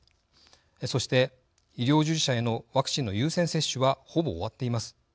そして医療従事者へのワクチンの優先接種はほぼ終わっています。